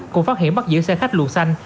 cũng phát hiện bắt giữ xe khách luồn xanh